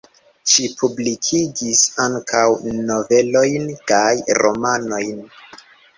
Ŝi publikigis ankaŭ novelojn, kaj romanojn.